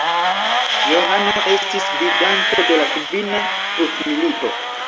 Johano estis gvidanto de la Kvina Krucmilito.